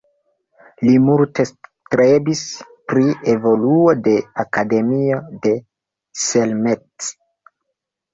Li multe strebis pri evoluo de Akademio de Selmec.